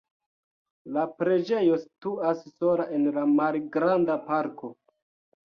La preĝejo situas sola en malgranda parko.